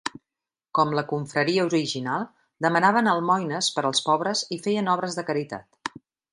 Com la confraria original, demanaven almoines per als pobres i feien obres de caritat.